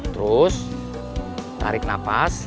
terus tarik nafas